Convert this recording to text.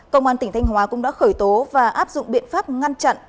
công an tỉnh thanh hóa cũng đã khởi tố và áp dụng biện pháp ngăn chặn